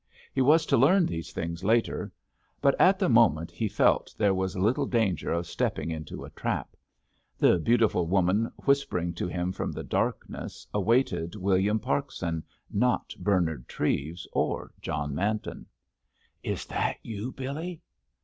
He was to learn these things later. But at the moment he felt there was little danger of stepping into a trap. The beautiful woman whispering to him from the darkness awaited William Parkson, not Bernard Treves or John Manton. "Is that you, Billy?"